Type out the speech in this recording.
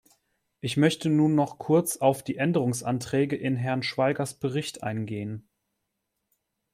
Ich möchte nun noch kurz auf die Änderungsanträge in Herrn Schwaigers Bericht eingehen.